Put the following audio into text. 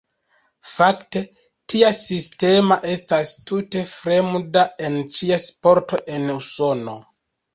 Fakte, tia sistema estas tute fremda en ĉia sporto en Usono.